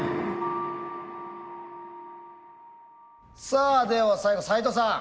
さあでは最後斎藤さん